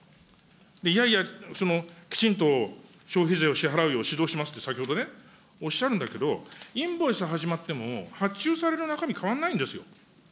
いやいや、きちんと消費税を支払うよう指導しますって先ほどね、おっしゃるんだけど、インボイス始まっても、発注される中身変わんないんですよ。